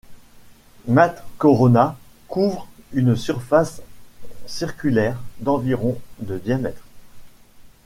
Makh Corona couvre une surface circulaire d'environ de diamètre.